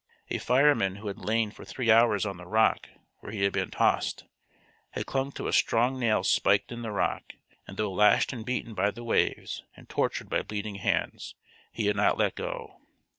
A fireman who had lain for three hours on the rock where he had been tossed, had clung to a strong nail spiked in the rock, and though lashed and beaten by the waves, and tortured by bleeding hands, he had not let go.